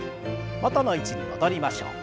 元の位置に戻りましょう。